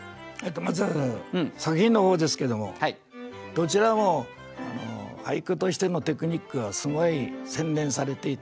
まず作品の方ですけどもどちらも俳句としてのテクニックがすごい洗練されていてね